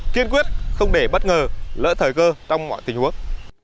kiên quyết không để bất ngờ lỡ thời cơ trong mọi tình huống